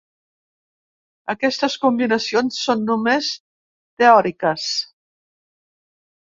Aquestes combinacions són només teòriques.